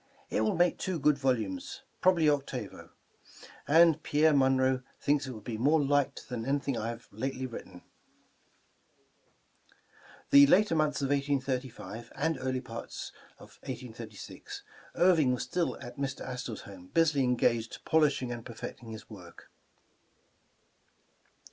It will make two good volumes — probably octavo; and Pierre Munroe thinks it will be more liked than anything I have lately writ ten. '' The later months of 1835, and earlier part of 1836, Irving was still at Mr. Astor 's home busily engaged polishing and perfecting his work.